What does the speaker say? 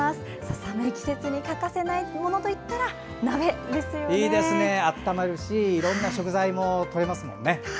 寒い季節に欠かせないものといったらいいですね、温まるしいろんな食材もとれますもんね。